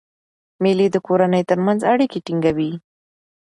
مېلې د کورنۍ ترمنځ اړیکي ټینګوي.